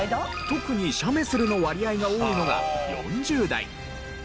特に「写メする」の割合が多いのが４０代。